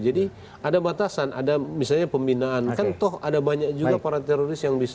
jadi ada batasan ada misalnya pembinaan kan toh ada banyak juga para teroris yang bisa